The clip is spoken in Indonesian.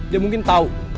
dia mungkin tau